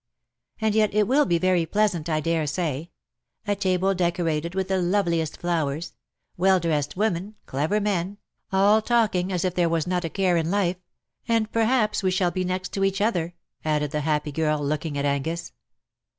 And yet, it will be very pleasant, I daresay — a table decorated with the loveliest flowers — well dressed women, clever men, all talking as if there was not a care in life — and perhaps we shall be next each other,''^ added the happy girl, looking at Angus.